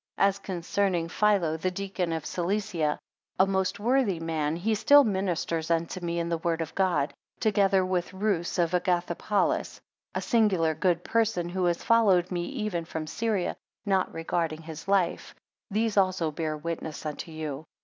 4 As concerning Philo the deacon of Cilicia, a most worthy man, he still ministers unto me in the word of God: together with Rheus of Agathopolis a singular good person, who has followed me even from Syria, not regarding his life: These also bear witness unto you.